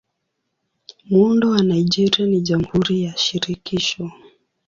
Muundo wa Nigeria ni Jamhuri ya Shirikisho.